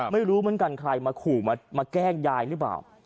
ไม่รู้เหมือนกันใครมาขู่มาแกล้งยายหรือเปล่า